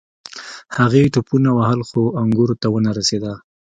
هغې ټوپونه ووهل خو انګورو ته ونه رسیده.